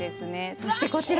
そしてこちら。